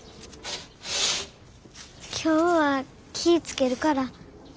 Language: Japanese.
今日は気ぃ付けるから。